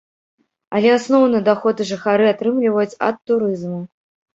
Але асноўны даход жыхары атрымліваюць ад турызму.